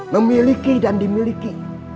memiliki dan dimiliki